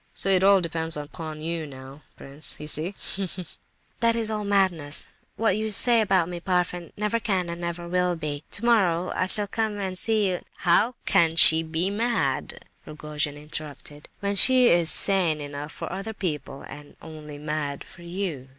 So it all depends upon you now, prince, You see! Ha, ha!" "That's all madness. What you say about me, Parfen, never can and never will be. Tomorrow, I shall come and see you—" "How can she be mad," Rogojin interrupted, "when she is sane enough for other people and only mad for you?